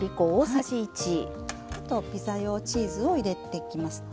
あとピザ用チーズを入れていきますね。